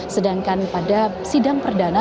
sedangkan pada sidang perdana